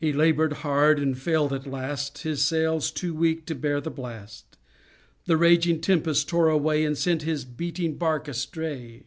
He labored hard and failed at last, His sails too weak to bear the blast, The raging tempests tore away And sent his beating bark astray.